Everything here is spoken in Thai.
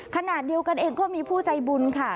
ขณะเดียวกันเองก็มีผู้ใจบุญค่ะ